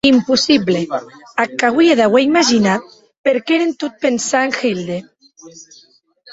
Impossible, ac auie d'auer imaginat perque ère en tot pensar en Hilde.